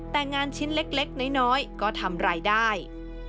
แต่งานชิ้นเล็กน้อยก็ทำรายได้